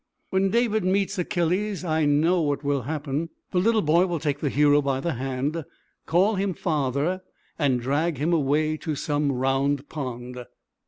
When David meets Achilles I know what will happen. The little boy will take the hero by the hand, call him father, and drag him away to some Round Pond.